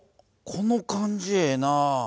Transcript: この感じええな。